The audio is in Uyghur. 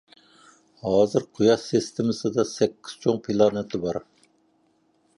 ھازىر قۇياش سىستېمىسىدا سەككىز چوڭ پىلانېتا بار.